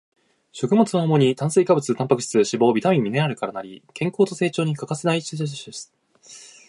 食物は主に炭水化物、タンパク質、脂肪、ビタミン、ミネラルから成り、健康と成長に欠かせない要素です